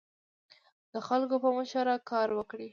د خلکو په مشوره کار وکړئ.